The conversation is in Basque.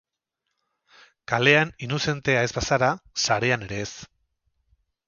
Kalean inuzentea ez bazara, sarean ere ez.